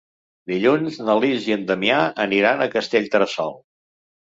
Dilluns na Lis i en Damià aniran a Castellterçol.